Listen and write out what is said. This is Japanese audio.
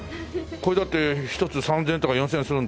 これだって１つ３０００円とか４０００円はするんでしょう？